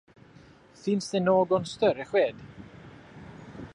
Finns det någon större sked?